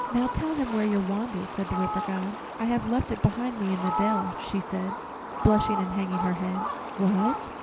"Now tell him where your wand is," said the River God. "I have left it behind me in the dell," she said, blushing and hanging her head. "What!